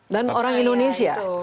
dan orang indonesia